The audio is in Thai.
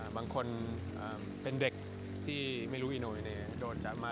บางคนเป็นเด็กที่ไม่รู้อีโนอิเน่โดนจับมา